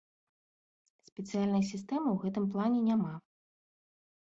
Спецыяльнай сістэмы ў гэтым плане няма.